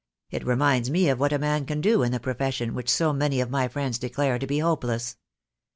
It reminds me of what a man can do in the profession which so many of my friends declare to be hopeless."